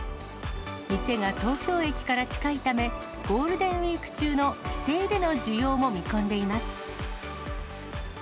店が東京駅から近いため、ゴールデンウィーク中の帰省での需要も見込んでいます。